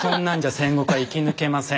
戦国は生き抜けません。